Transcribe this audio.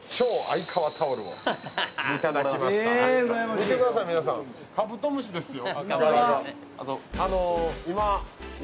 見てください、皆さん、かぶとむしですよ。